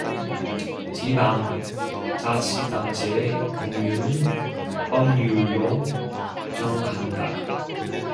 지방자치단체의 종류는 법률로 정한다.